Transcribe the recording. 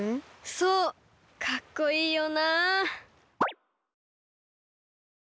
そうかっこいいよな。